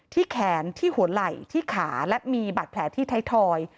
แขนที่หัวไหล่ที่ขาและมีบาดแผลที่ไทยทอย